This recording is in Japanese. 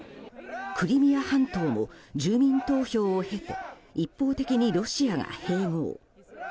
クリミア半島も住民投票を経て一方的にロシアが併合。